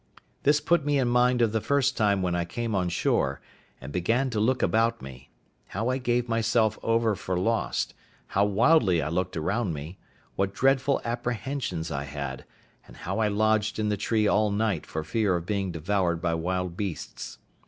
This put me in mind of the first time when I came on shore, and began to look about me; how I gave myself over for lost; how wildly I looked round me; what dreadful apprehensions I had; and how I lodged in the tree all night for fear of being devoured by wild beasts.